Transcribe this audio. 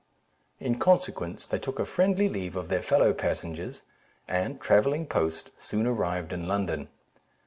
In consequence, they took a friendly leave of their fellow passengers, and travelling post, soon arrived in London.